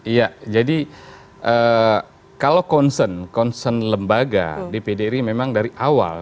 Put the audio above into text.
iya jadi kalau concern concern lembaga dpd ini memang dari awal